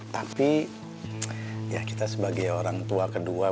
tapi ya kita sebagai orang tua kedua